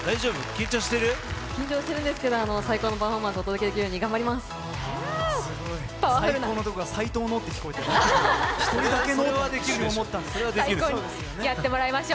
緊張しているんですけど最高のパフォーマンスをお届けできるように頑張ります。